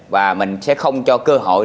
và mình sẽ không cho cơ hội